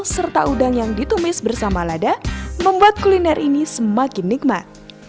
serta udang yang ditumis bersama lada membuat kuliner ini semakin nikmat